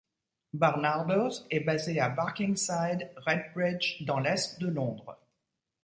Barnardo's est basé à Barkingside, Redbridge, dans l'est de Londres.